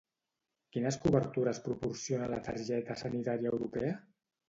Quines cobertures proporciona la targeta sanitària europea?